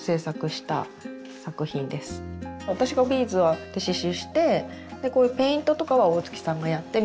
私がビーズで刺しゅうしてこういうペイントとかは大月さんがやってみたいな。